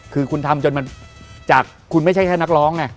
คือคุณทำจนมันจากคุณไม่ใช่แค่นักร้องไง